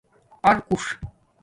ارکُݽ